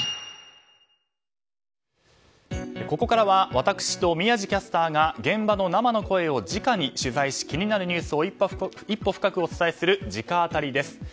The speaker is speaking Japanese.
ここからは私と宮司キャスターが現場の生の声をじかに取材し気になるニュースを一歩深くお伝えする直アタリです。